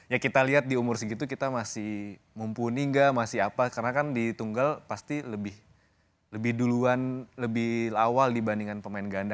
ya kita lihat di umur segitu kita masih mumpuni nggak masih apa karena kan di tunggal pasti lebih duluan lebih awal dibandingkan pemain ganda